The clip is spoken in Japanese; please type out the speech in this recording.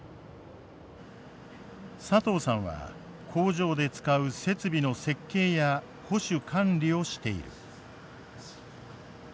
佐藤さんは工場で使う設備の設計や保守管理をしている。